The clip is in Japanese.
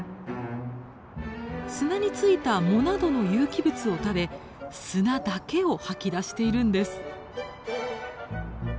砂に付いた藻などの有機物を食べ砂だけを吐き出しているんです。